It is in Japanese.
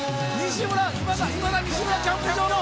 「今田と西村キャンプ場」の！